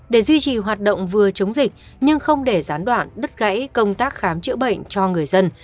để duy trì hoạt động vừa chống dịch nhưng không để gián đoạn đứt gãy công tác khám chữa bệnh cho người dân